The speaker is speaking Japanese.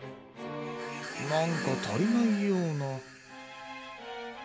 なんかたりないような。